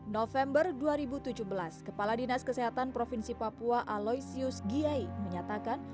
november dua ribu tujuh belas kepala dinas kesehatan provinsi papua aloysius giai menyatakan